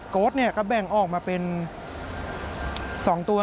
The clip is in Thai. ก็แบ่งออกมาเป็น๒ตัว